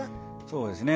そうですね。